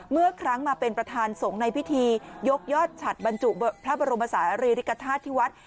เมื่อครั้งมาเป็นประธานสงฆ์ในพิธียกยอดฉัดบรรจุพระบรมศาลีริกฐาตุที่วัด